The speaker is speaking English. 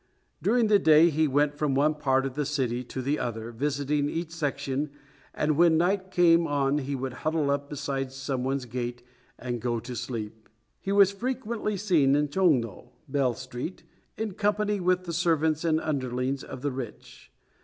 During the day he went from one part of the city to the other, visiting each section, and when night came on he would huddle up beside some one's gate and go to sleep. He was frequently seen in Chong no (Bell Street) in company with the servants and underlings of the rich.